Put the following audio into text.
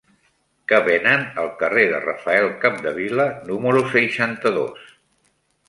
Què venen al carrer de Rafael Capdevila número seixanta-dos?